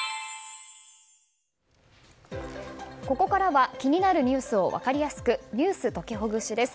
ここからは気になるニュースを分かりやすくｎｅｗｓときほぐしです。